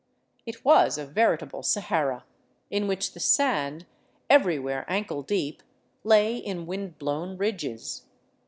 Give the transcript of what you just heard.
It was a veritable Sahara, in which the sand, everywhere ankle deep, lay in wind blown ridges.